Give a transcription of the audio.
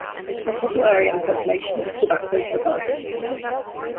Their total area and population equal that quoted above.